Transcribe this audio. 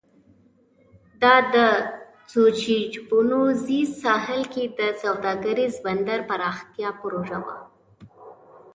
دا د سوچیتپیکویز ساحل کې د سوداګریز بندر پراختیا پروژه وه.